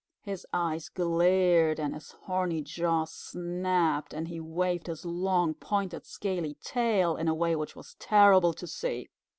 His eyes glared and his horny jaws snapped, and he waved his long, pointed, scaly tail in a way which was terrible to see.